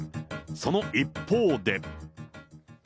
その一方で。